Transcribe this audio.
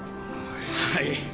はい。